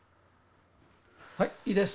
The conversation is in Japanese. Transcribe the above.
はいいいです。